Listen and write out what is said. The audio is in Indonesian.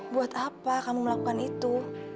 buat apa kamu melakukan itu